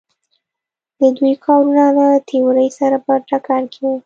د دوی کارونه له تیورۍ سره په ټکر کې وو.